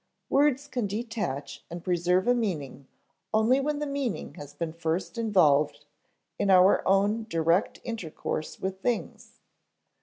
Words can detach and preserve a meaning only when the meaning has been first involved in our own direct intercourse with things.